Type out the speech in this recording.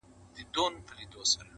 کورنۍ ورو ورو تيت کيږي تل,